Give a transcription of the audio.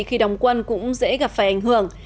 khi đồng quân cũng dễ gặp phải ảnh hưởng